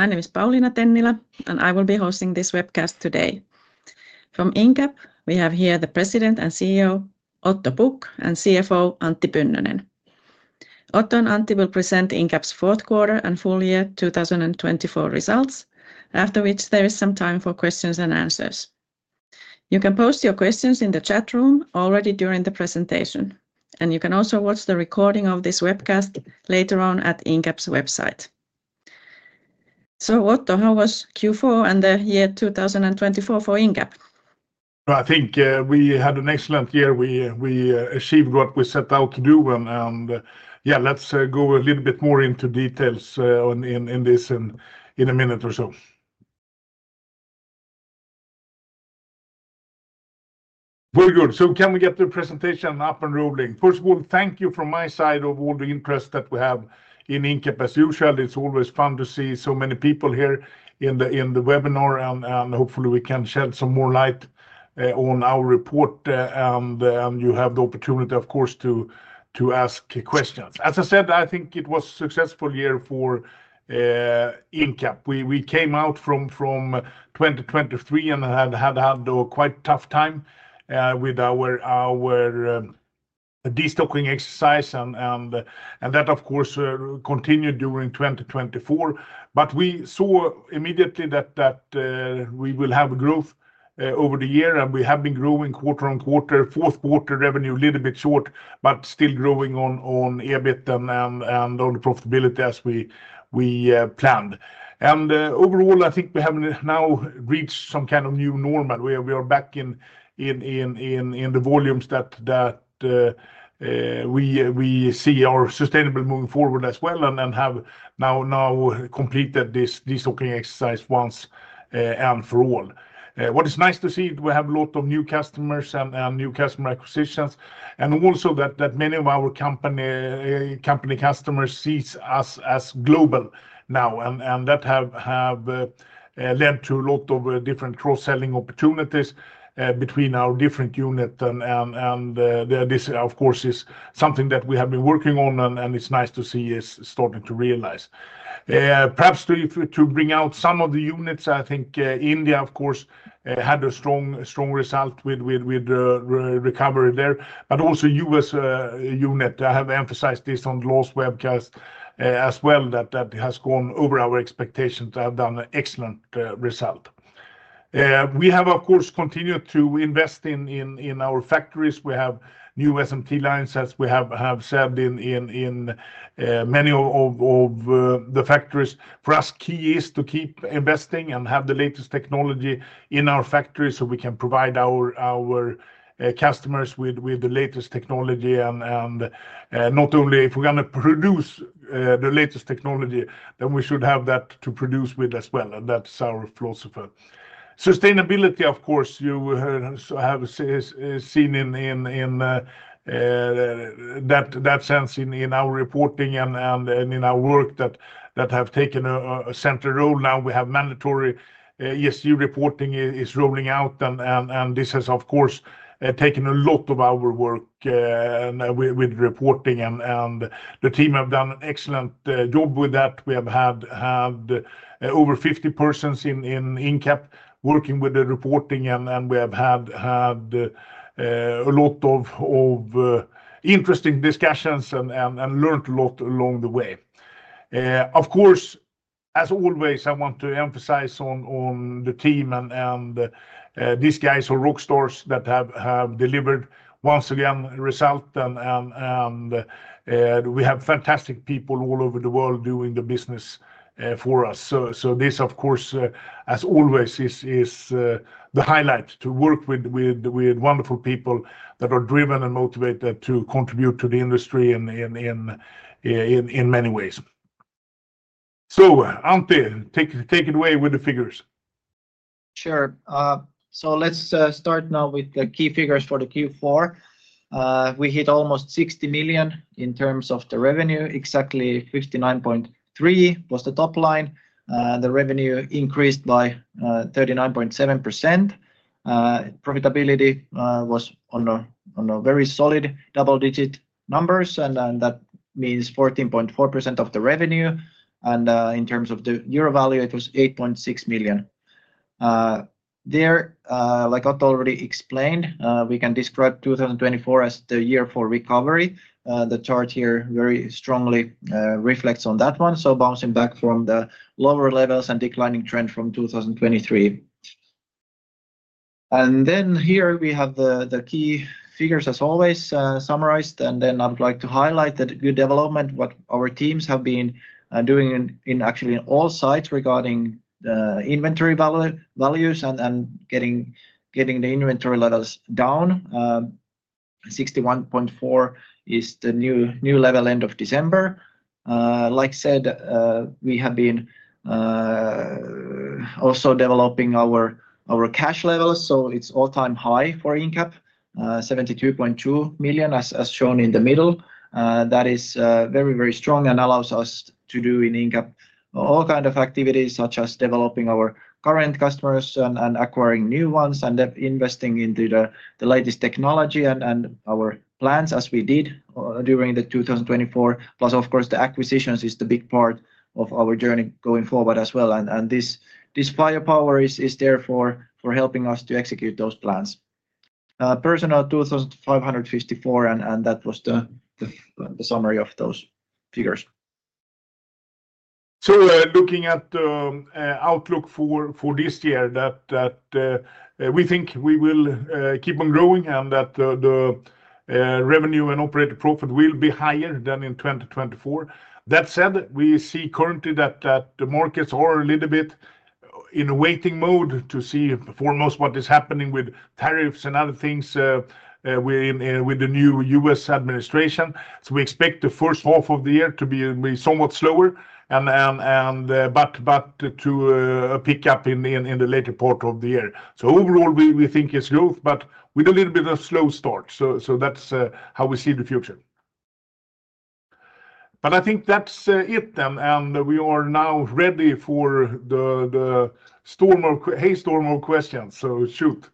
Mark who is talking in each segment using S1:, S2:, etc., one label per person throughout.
S1: My name is Pauliina Tennilä, and I will be hosting this webcast today. From Incap, we have here the President and CEO, Otto Pukk, and CFO, Antti Pynnönen. Otto and Antti will present Incap's fourth quarter and full year 2024 results, after which there is some time for questions and answers. You can post your questions in the chat room already during the presentation, and you can also watch the recording of this webcast later on at Incap's website. Otto, how was Q4 and the year 2024 for Incap?
S2: I think we had an excellent year. We achieved what we set out to do, and yeah, let's go a little bit more into details in this in a minute or so. Very good. Can we get the presentation up and rolling? First of all, thank you from my side for all the interest that we have in Incap. As usual, it's always fun to see so many people here in the webinar, and hopefully we can shed some more light on our report, and you have the opportunity, of course, to ask questions. As I said, I think it was a successful year for Incap. We came out from 2023 and had had a quite tough time with our destocking exercise, and that, of course, continued during 2024. We saw immediately that we will have growth over the year, and we have been growing quarter-on-quarter. Fourth quarter revenue a little bit short, but still growing on EBIT and on profitability as we planned. Overall, I think we have now reached some kind of new normal. We are back in the volumes that we see our sustainability moving forward as well, and have now completed this destocking exercise once and for all. What is nice to see is we have a lot of new customers and new customer acquisitions, and also that many of our company customers see us as global now, and that has led to a lot of different cross-selling opportunities between our different units. This, of course, is something that we have been working on, and it's nice to see it's starting to realize. Perhaps to bring out some of the units, I think India, of course, had a strong result with recovery there, but also U.S. unit. I have emphasized this on the last webcast as well, that has gone over our expectations. They have done an excellent result. We have, of course, continued to invest in our factories. We have new SMT lines, as we have said in many of the factories. For us, key is to keep investing and have the latest technology in our factories so we can provide our customers with the latest technology. Not only if we're going to produce the latest technology, then we should have that to produce with as well, and that's our philosophy. Sustainability, of course, you have seen in that sense in our reporting and in our work that have taken a central role. Now we have mandatory ESG reporting is rolling out, and this has, of course, taken a lot of our work with reporting, and the team have done an excellent job with that. We have had over 50 persons in Incap working with the reporting, and we have had a lot of interesting discussions and learned a lot along the way. Of course, as always, I want to emphasize on the team and these guys who are rock stars that have delivered once again results, and we have fantastic people all over the world doing the business for us. This, of course, as always, is the highlight to work with wonderful people that are driven and motivated to contribute to the industry in many ways. Antti, take it away with the figures.
S3: Sure. Let's start now with the key figures for Q4. We hit almost 60 million in terms of the revenue. Exactly 59.3 million was the top line. The revenue increased by 39.7%. Profitability was on a very solid double-digit numbers, and that means 14.4% of the revenue. In terms of the euro value, it was 8.6 million. There, like Otto already explained, we can describe 2024 as the year for recovery. The chart here very strongly reflects on that one. Bouncing back from the lower levels and declining trend from 2023. Here we have the key figures as always summarized, and I'd like to highlight the good development, what our teams have been doing in actually all sites regarding the inventory values and getting the inventory levels down. 61.4 million is the new level end of December. Like I said, we have been also developing our cash levels, so it is all-time high for Incap, 72.2 million as shown in the middle. That is very, very strong and allows us to do in Incap all kinds of activities such as developing our current customers and acquiring new ones and investing into the latest technology and our plans as we did during 2024. Plus, of course, the acquisitions is the big part of our journey going forward as well. This firepower is there for helping us to execute those plans. Personnel, 2,554, and that was the summary of those figures.
S2: Looking at the outlook for this year, we think we will keep on growing and that the revenue and operating profit will be higher than in 2024. That said, we see currently that the markets are a little bit in a waiting mode to see foremost what is happening with tariffs and other things with the new U.S. administration. We expect the first half of the year to be somewhat slower, but to pick up in the later part of the year. Overall, we think it's growth, but with a little bit of slow start. That's how we see the future. I think that's it, and we are now ready for the heavy storm of questions. Shoot.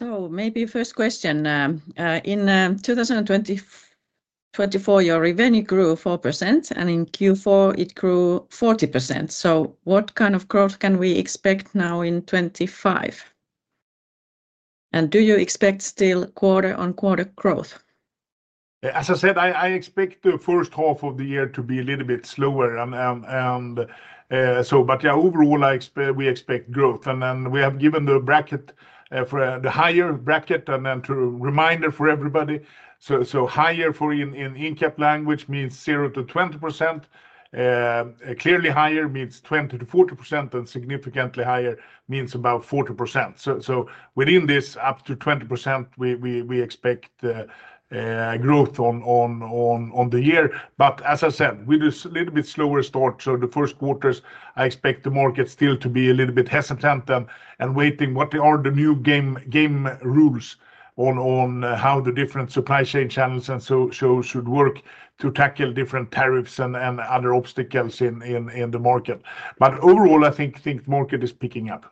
S1: Maybe first question. In 2024, your revenue grew 4%, and in Q4 it grew 40%. What kind of growth can we expect now in 2025? Do you expect still quarter-on-quarter growth?
S2: As I said, I expect the first half of the year to be a little bit slower. Yeah, overall, we expect growth, and we have given the higher bracket and then to reminder for everybody. Higher for Incap language means 0%-20%. Clearly higher means 20%-40%, and significantly higher means about 40%. Within this, up to 20%, we expect growth on the year. As I said, with a little bit slower start, the first quarters, I expect the market still to be a little bit hesitant and waiting what are the new game rules on how the different supply chain channels and so should work to tackle different tariffs and other obstacles in the market. Overall, I think the market is picking up.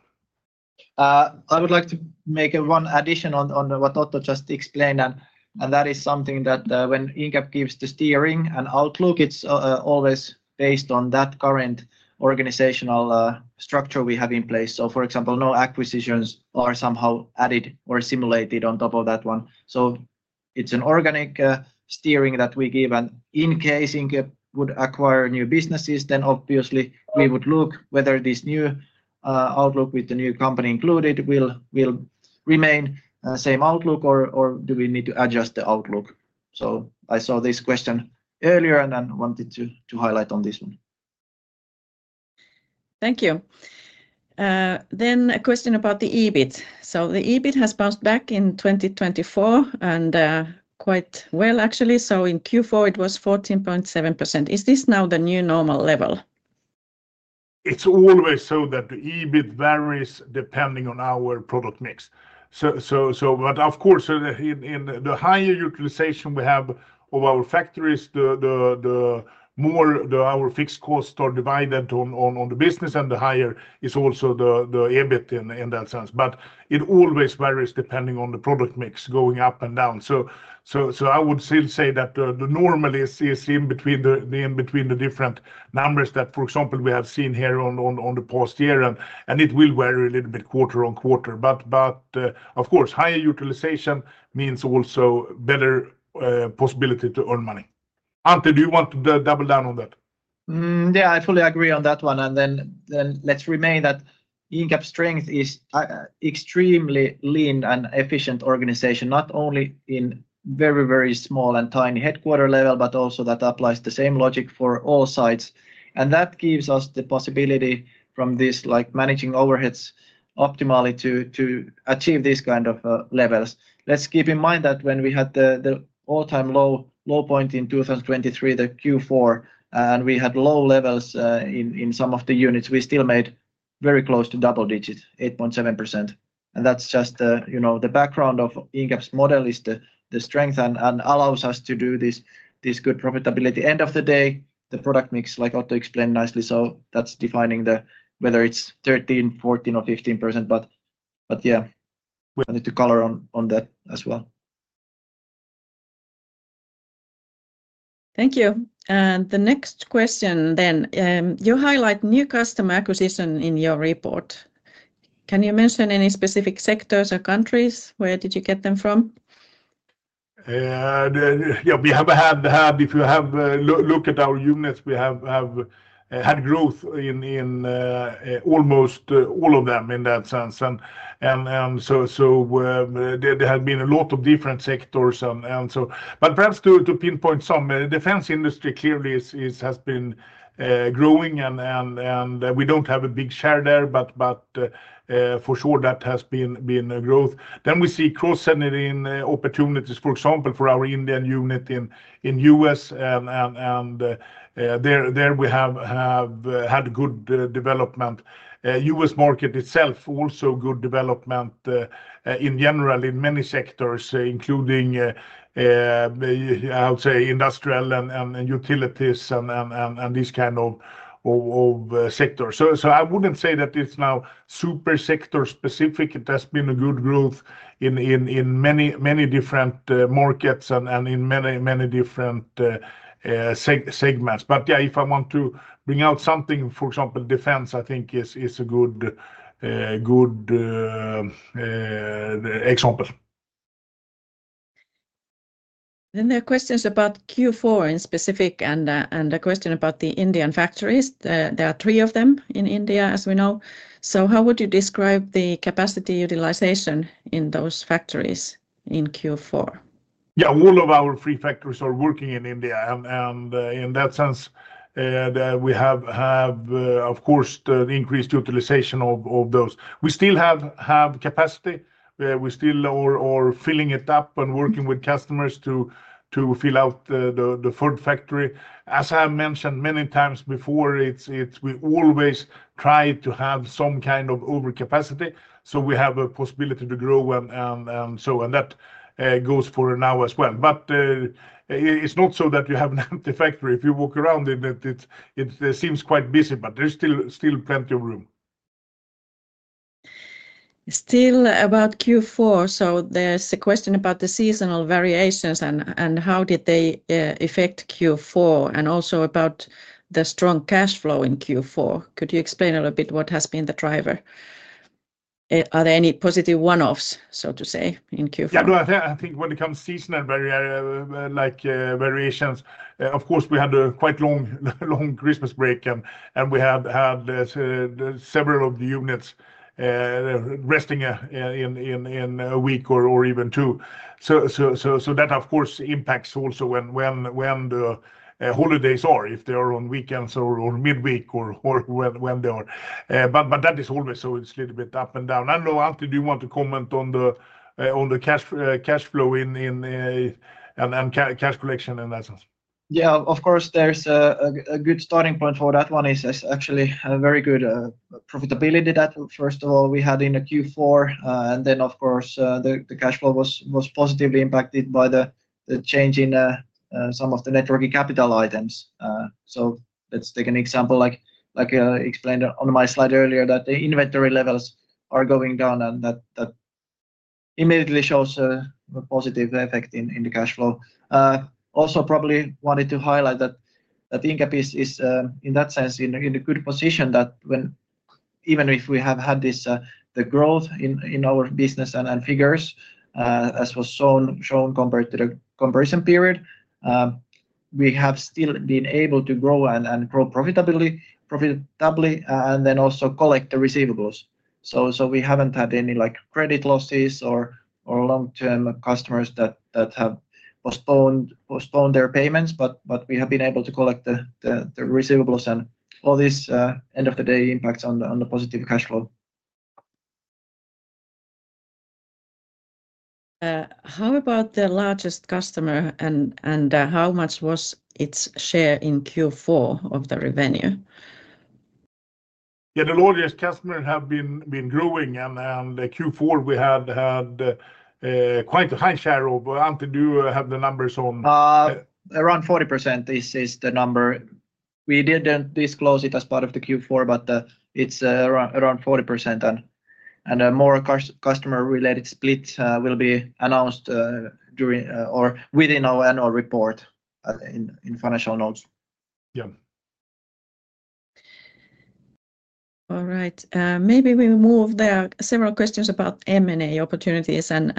S3: I would like to make one addition on what Otto just explained, and that is something that when Incap gives the steering and outlook, it's always based on that current organizational structure we have in place. For example, no acquisitions are somehow added or simulated on top of that one. It's an organic steering that we give. In case Incap would acquire new businesses, then obviously we would look whether this new outlook with the new company included will remain the same outlook, or do we need to adjust the outlook. I saw this question earlier and then wanted to highlight on this one.
S1: Thank you. A question about the EBIT. The EBIT has bounced back in 2024 and quite well actually. In Q4 it was 14.7%. Is this now the new normal level?
S2: It's always so that the EBIT varies depending on our product mix. Of course, the higher utilization we have of our factories, the more our fixed costs are divided on the business, and the higher is also the EBIT in that sense. It always varies depending on the product mix going up and down. I would still say that the normal is in between the different numbers that, for example, we have seen here on the past year, and it will vary a little bit quarter-on-quarter. Of course, higher utilization means also better possibility to earn money. Antti, do you want to double down on that?
S3: Yeah, I fully agree on that one. Let's remain that Incap's strength is extremely lean and efficient organization, not only in very, very small and tiny headquarter level, but also that applies the same logic for all sides. That gives us the possibility from this managing overheads optimally to achieve these kinds of levels. Let's keep in mind that when we had the all-time low point in 2023, the Q4, and we had low levels in some of the units, we still made very close to double digits, 8.7%. That's just the background of Incap's model is the strength and allows us to do this good profitability. End of the day, the product mix, like Otto explained nicely, that's defining whether it's 13%, 14%, or 15%. Yeah, I need to color on that as well.
S1: Thank you. The next question then. You highlight new customer acquisition in your report. Can you mention any specific sectors or countries? Where did you get them from?
S2: Yeah, we have had, if you have looked at our units, we have had growth in almost all of them in that sense. There have been a lot of different sectors. Perhaps to pinpoint some, the defense industry clearly has been growing, and we do not have a big share there, but for sure that has been growth. We see cross-centered opportunities, for example, for our Indian unit in the U.S. and there we have had good development. U.S. market itself also good development in general in many sectors, including, I would say, industrial and utilities and this kind of sector. I would not say that it is now super sector specific. It has been good growth in many different markets and in many different segments. If I want to bring out something, for example, defense, I think is a good example.
S1: There are questions about Q4 in specific and a question about the Indian factories. There are three of them in India, as we know. How would you describe the capacity utilization in those factories in Q4?
S2: Yeah, all of our three factories are working in India. In that sense, we have, of course, the increased utilization of those. We still have capacity. We're still filling it up and working with customers to fill out the third factory. As I mentioned many times before, we always try to have some kind of overcapacity. We have a possibility to grow, and that goes for now as well. It's not so that you have an empty factory. If you walk around, it seems quite busy, but there's still plenty of room.
S1: Still about Q4. There is a question about the seasonal variations and how did they affect Q4 and also about the strong cash flow in Q4. Could you explain a little bit what has been the driver? Are there any positive one-offs, so to say, in Q4?
S2: Yeah, I think when it comes to seasonal variations, of course, we had a quite long Christmas break, and we had several of the units resting in a week or even two. That, of course, impacts also when the holidays are, if they are on weekends or midweek or when they are. That is always so it's a little bit up and down. I don't know, Antti, do you want to comment on the cash flow and cash collection in that sense?
S3: Yeah, of course, there's a good starting point for that one. It's actually a very good profitability that, first of all, we had in Q4. The cash flow was positively impacted by the change in some of the networking capital items. Let's take an example like I explained on my slide earlier, that the inventory levels are going down, and that immediately shows a positive effect in the cash flow. Also, probably wanted to highlight that Incap is, in that sense, in a good position that even if we have had the growth in our business and figures, as was shown compared to the comparison period, we have still been able to grow and grow profitably and then also collect the receivables. We haven't had any credit losses or long-term customers that have postponed their payments, but we have been able to collect the receivables, and all this end of the day impacts on the positive cash flow.
S1: How about the largest customer and how much was its share in Q4 of the revenue?
S2: Yeah, the largest customer has been growing, and Q4 we had quite a high share of. Antti, do you have the numbers on?
S3: Around 40% is the number. We did not disclose it as part of the Q4, but it is around 40%. More customer-related splits will be announced within our annual report in financial notes.
S2: Yeah.
S1: All right. Maybe we move there. Several questions about M&A opportunities, and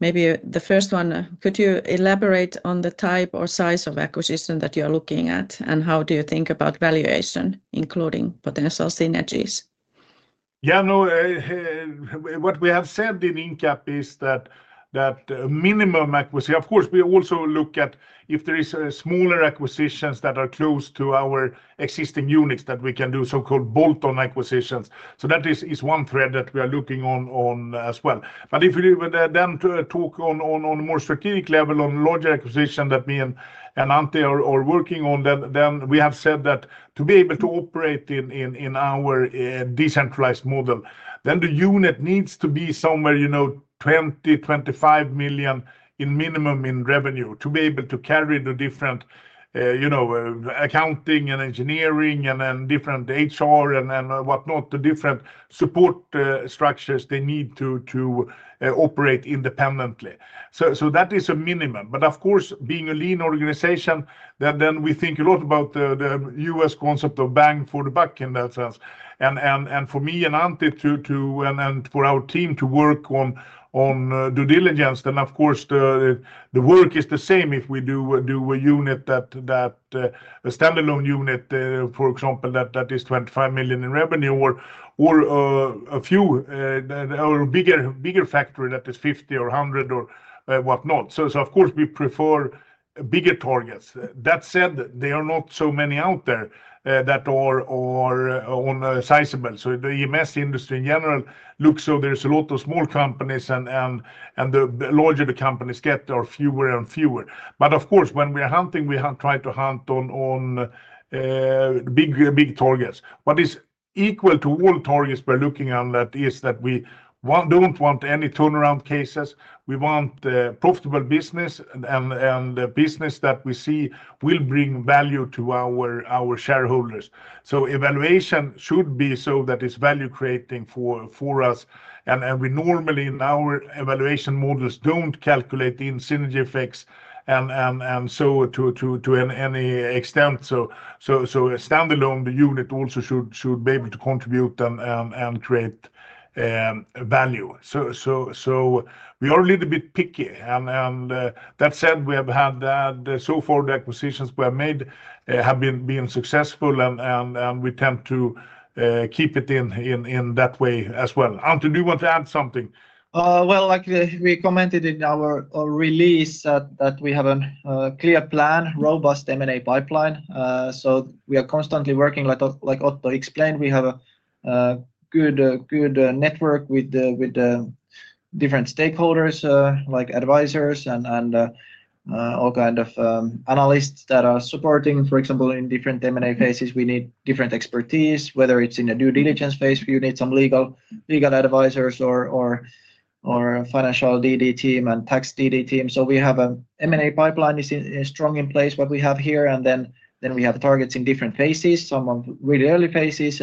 S1: maybe the first one, could you elaborate on the type or size of acquisition that you are looking at, and how do you think about valuation, including potential synergies?
S2: Yeah, no, what we have said in Incap is that minimum acquisition, of course, we also look at if there are smaller acquisitions that are close to our existing units that we can do so-called bolt-on acquisitions. That is one thread that we are looking on as well. If we then talk on a more strategic level on larger acquisitions that me and Antti are working on, we have said that to be able to operate in our decentralized model, the unit needs to be somewhere 20 million-25 million in minimum in revenue to be able to carry the different accounting and engineering and different HR and whatnot, the different support structures they need to operate independently. That is a minimum. Of course, being a lean organization, we think a lot about the U.S. concept of bang for the buck in that sense. For me and Antti and for our team to work on due diligence, the work is the same if we do a unit that is a standalone unit, for example, that is 25 million in revenue or a bigger factory that is 50 million or 100 million or whatnot. We prefer bigger targets. That said, there are not so many out there that are sizable. The EMS industry in general looks like there are a lot of small companies, and the larger the companies get, there are fewer and fewer. When we are hunting, we try to hunt on big targets. What is equal to all targets we are looking on is that we do not want any turnaround cases. We want profitable business and business that we see will bring value to our shareholders. Evaluation should be so that it's value-creating for us. We normally in our evaluation models don't calculate in synergy effects and so to any extent. A standalone unit also should be able to contribute and create value. We are a little bit picky. That said, we have had so far the acquisitions we have made have been successful, and we tend to keep it in that way as well. Antti, do you want to add something?
S3: Like we commented in our release that we have a clear plan, robust M&A pipeline. We are constantly working, like Otto explained, we have a good network with different stakeholders like advisors and all kinds of analysts that are supporting. For example, in different M&A phases, we need different expertise, whether it's in a due diligence phase, you need some legal advisors or financial DD team and tax DD team. We have an M&A pipeline is strong in place what we have here, and then we have targets in different phases, some really early phases.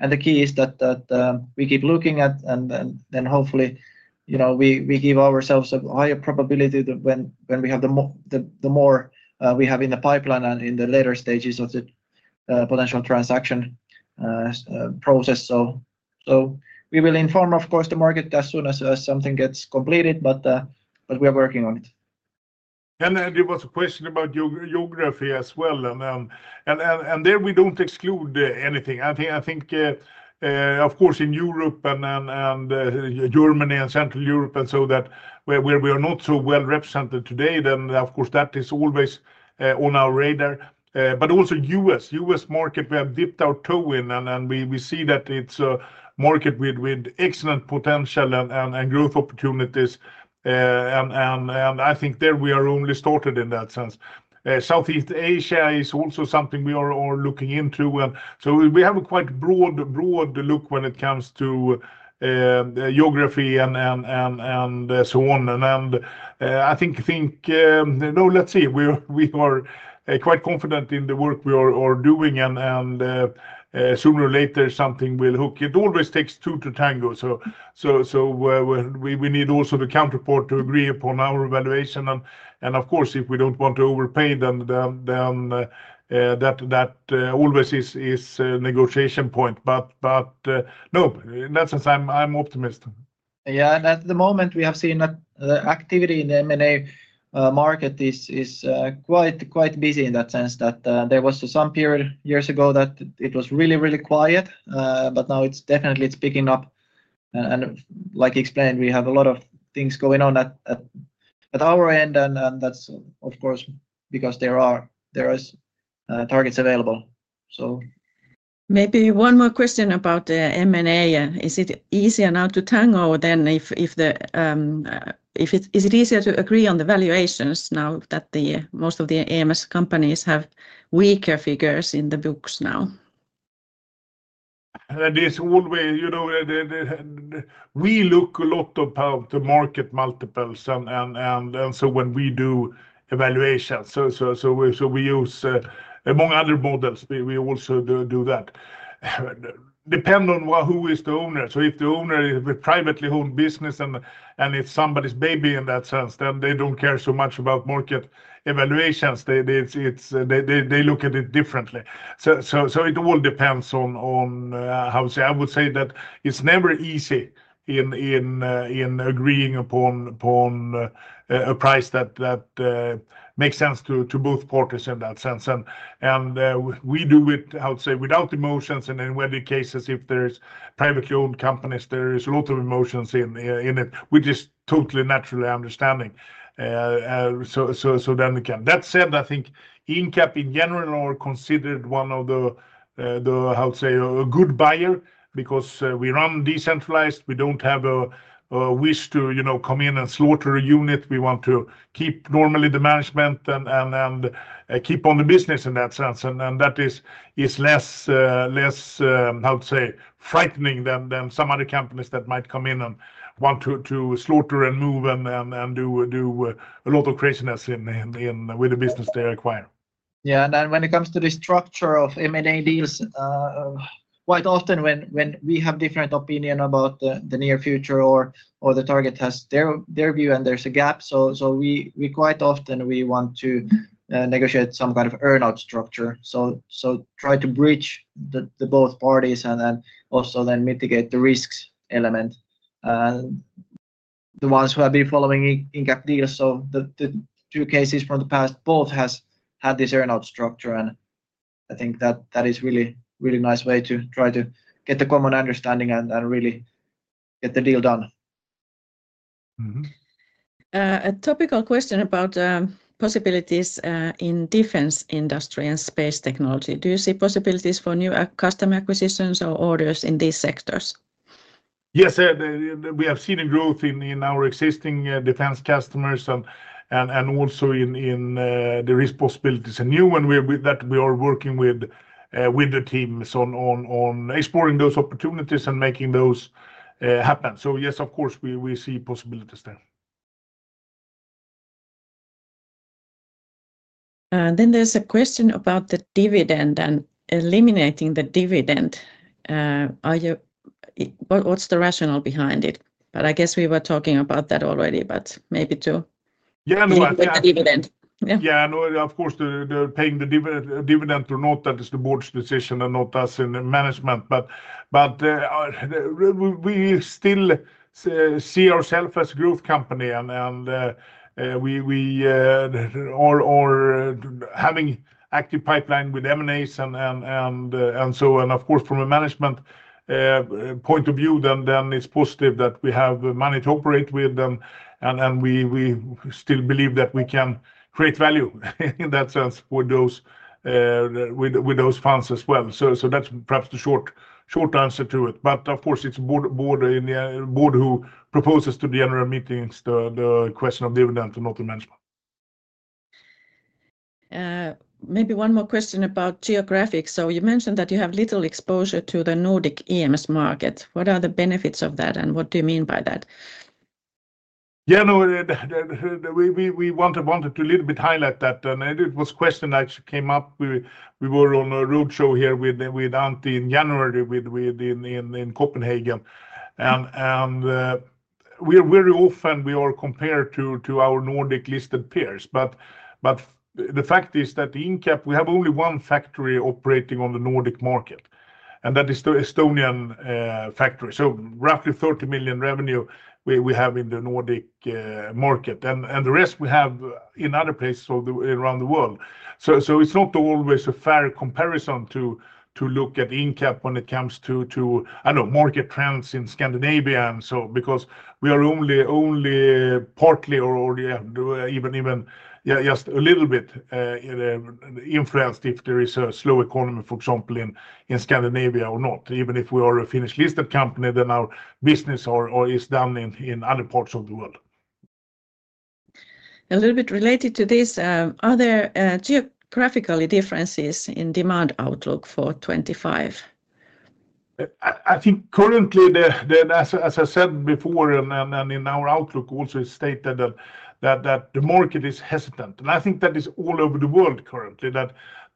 S3: The key is that we keep looking at, and then hopefully we give ourselves a higher probability when we have the more we have in the pipeline and in the later stages of the potential transaction process. We will inform, of course, the market as soon as something gets completed, but we are working on it.
S2: There was a question about geography as well. We do not exclude anything. I think, of course, in Europe and Germany and Central Europe, where we are not so well represented today, that is always on our radar. The U.S. market we have dipped our toe in, and we see that it is a market with excellent potential and growth opportunities. I think there we are only started in that sense. Southeast Asia is also something we are looking into. We have a quite broad look when it comes to geography and so on. I think, let's see. We are quite confident in the work we are doing, and sooner or later something will hook. It always takes two to tango. We need also the counterpart to agree upon our evaluation. Of course, if we don't want to overpay, then that always is a negotiation point. No, in that sense, I'm optimistic.
S3: Yeah, at the moment, we have seen that the activity in the M&A market is quite busy in that sense that there was some period years ago that it was really, really quiet, but now it's definitely picking up. Like you explained, we have a lot of things going on at our end, and that's of course because there are targets available.
S1: Maybe one more question about the M&A. Is it easier now to tango than if the is it easier to agree on the valuations now that most of the EMS companies have weaker figures in the books now?
S2: It's always we look a lot at the market multiples and so when we do evaluations. We use, among other models, we also do that. It depends on who is the owner. If the owner is a privately owned business and it's somebody's baby in that sense, then they don't care so much about market evaluations. They look at it differently. It all depends on how I would say that it's never easy in agreeing upon a price that makes sense to both parties in that sense. We do it, I would say, without emotions. In many cases, if there are privately owned companies, there is a lot of emotions in it, which is totally naturally understanding. That said, I think Incap in general are considered one of the, I would say, a good buyer because we run decentralized. We do not have a wish to come in and slaughter a unit. We want to keep normally the management and keep on the business in that sense. That is less, I would say, frightening than some other companies that might come in and want to slaughter and move and do a lot of craziness with the business they acquire.
S3: Yeah, and when it comes to the structure of M&A deals, quite often when we have different opinions about the near future or the target has their view and there's a gap, quite often we want to negotiate some kind of earn-out structure. Try to bridge the both parties and also then mitigate the risks element. The ones who have been following Incap deals, the two cases from the past, both have had this earn-out structure. I think that is really a nice way to try to get a common understanding and really get the deal done.
S1: A topical question about possibilities in defense industry and space technology. Do you see possibilities for new customer acquisitions or orders in these sectors?
S2: Yes, we have seen growth in our existing defense customers and also in the responsibilities. You and we are working with the teams on exploring those opportunities and making those happen. Yes, of course, we see possibilities there.
S1: There is a question about the dividend and eliminating the dividend. What's the rationale behind it? I guess we were talking about that already, but maybe to.
S2: Yeah, no.
S1: About the dividend.
S2: Yeah, no, of course, paying the dividend or not, that is the Board's decision and not us in management. We still see ourselves as a growth company and we are having an active pipeline with M&As and so. Of course, from a management point of view, then it's positive that we have money to operate with. We still believe that we can create value in that sense with those funds as well. That's perhaps the short answer to it. Of course, it's the Board who proposes to the general meetings the question of dividend and not the management.
S1: Maybe one more question about geographic. You mentioned that you have little exposure to the Nordic EMS market. What are the benefits of that and what do you mean by that?
S2: Yeah, no, we wanted to a little bit highlight that. It was a question that actually came up. We were on a roadshow here with Antti in January in Copenhagen. Very often we are compared to our Nordic listed peers. The fact is that Incap, we have only one factory operating on the Nordic market, and that is the Estonian factory. Roughly 30 million revenue we have in the Nordic market. The rest we have in other places around the world. It is not always a fair comparison to look at Incap when it comes to market trends in Scandinavia because we are only partly or even just a little bit influenced if there is a slow economy, for example, in Scandinavia or not. Even if we are a Finnish listed company, our business is done in other parts of the world.
S1: A little bit related to this, are there geographical differences in demand outlook for 2025?
S2: I think currently, as I said before and in our outlook also stated that the market is hesitant. I think that is all over the world currently.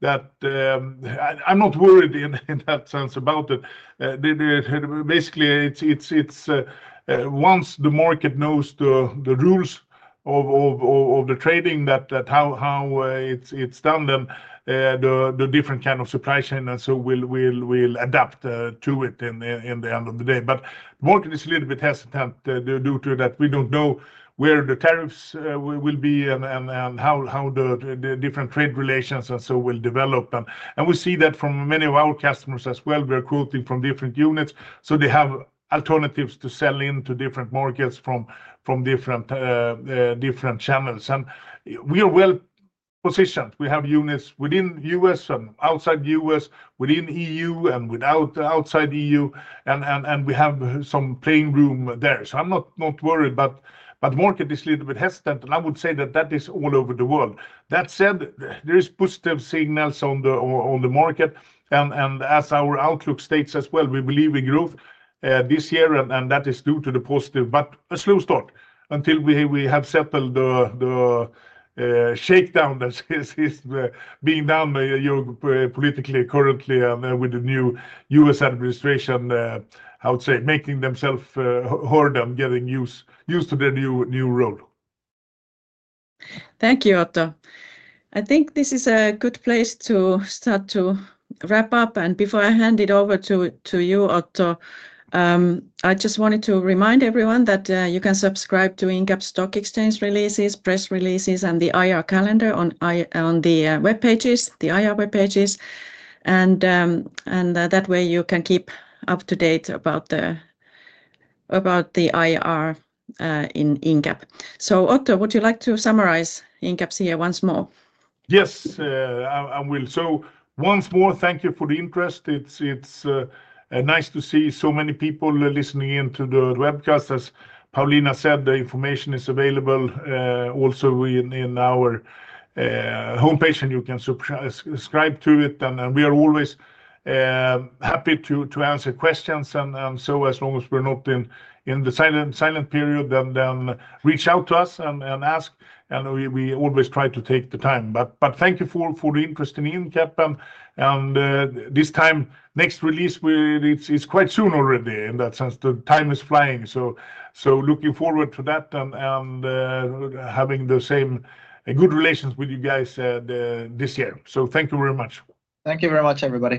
S2: I'm not worried in that sense about it. Basically, once the market knows the rules of the trading, how it's done, then the different kind of supply chain and so will adapt to it in the end of the day. The market is a little bit hesitant due to that we don't know where the tariffs will be and how the different trade relations and so will develop. We see that from many of our customers as well. We are quoting from different units. They have alternatives to sell into different markets from different channels. We are well positioned. We have units within the U.S. and outside the U.S. within the EU and outside the EU. We have some playing room there. I'm not worried, but the market is a little bit hesitant. I would say that that is all over the world. That said, there are positive signals on the market. As our outlook states as well, we believe in growth this year, and that is due to the positive, but a slow start until we have settled the shakedown that is being done politically currently and with the new U.S. administration, I would say, making themselves heard and getting used to the new role.
S1: Thank you, Otto. I think this is a good place to start to wrap up. Before I hand it over to you, Otto, I just wanted to remind everyone that you can subscribe to Incap's stock exchange releases, press releases, and the IR calendar on the web pages, the IR web pages. That way you can keep up to date about the IR in Incap. Otto, would you like to summarize Incap's here once more?
S2: Yes, I will. Once more, thank you for the interest. It's nice to see so many people listening in to the webcast. As Pauliina said, the information is available also in our homepage, and you can subscribe to it. We are always happy to answer questions. As long as we're not in the silent period, reach out to us and ask. We always try to take the time. Thank you for the interest in Incap. This time, next release, it's quite soon already in that sense. The time is flying. Looking forward to that and having the same good relations with you guys this year. Thank you very much.
S3: Thank you very much, everybody.